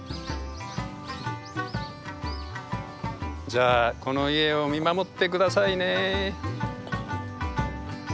じゃあこの家を見守ってくださいね。